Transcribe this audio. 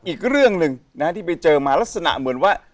อีกเรื่องหนึ่งนะฮะที่ไปเจอมาลักษณะเหมือนว่า